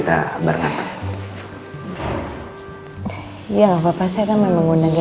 terima kasih banyak pak